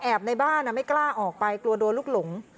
ในบ้านไม่กล้าออกไปกลัวโดนลูกหลง